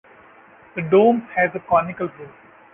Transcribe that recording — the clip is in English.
The dome has a conical roof.